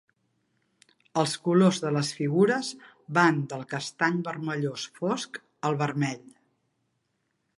Els colors de les figures van del castany-vermellós fosc al vermell.